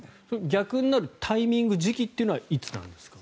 逆になるタイミング時期はいつなんですか。